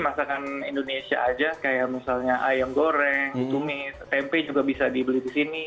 masakan indonesia aja kayak misalnya ayam goreng ditumis tempe juga bisa dibeli di sini